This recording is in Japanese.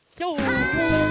はい！